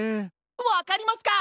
わかりますか！